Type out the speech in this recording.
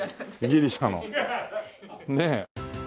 ギリシャのねえ。